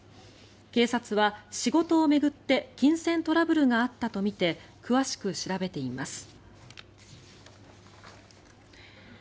警察は、仕事を巡って金銭トラブルがあったとみて詳しく調べています。